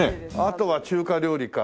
あとは中華料理か。